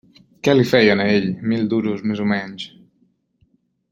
Què li feien a ell mil duros més o menys!